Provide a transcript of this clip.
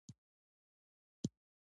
په افغانستان کې طلا شتون لري.